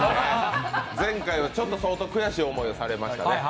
前回は相当悔しい思いをされましたね。